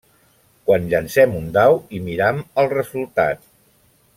Quan llancem un dau i miram el resultat.